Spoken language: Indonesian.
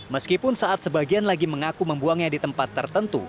meskipun saat sebagian lagi mengaku membuangnya di tempat tertentu